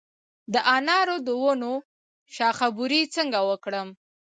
د انارو د ونو شاخه بري څنګه وکړم؟